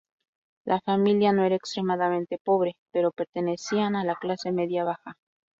La familia no era extremadamente pobre, pero pertenecían a la clase media baja.